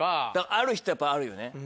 ある人はやっぱあるよね。